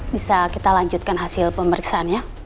bisa kita lanjutkan hasil pemeriksaan ya